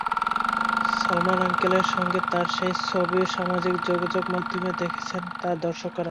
সালমান আঙ্কেলের সঙ্গে তাঁর সেই ছবি সামাজিক যোগাযোগমাধ্যমে দেখেছেন তাঁর দর্শকেরা।